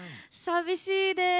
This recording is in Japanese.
寂しいです！